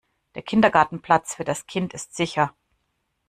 Der Kindergartenplatz für das Kind ist sicher.